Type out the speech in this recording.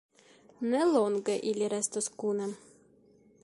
Ne longe ili restos kune.